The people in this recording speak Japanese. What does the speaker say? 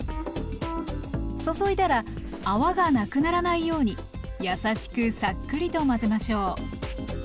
注いだら泡がなくならないようにやさしくサックリと混ぜましょう。